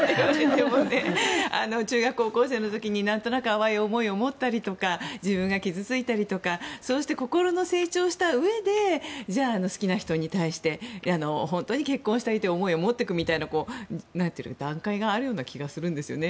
中学高校生の時に何となく淡い思いを持ったりだとか自分が傷ついたりだとかそうして心の成長をしたうえでじゃあ、好きな人に対して本当に結婚したいという思いを持っていくみたいな段階があるような気がするんですよね。